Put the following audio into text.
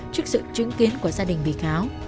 trước sự chứng kiến của gia đình bị cáo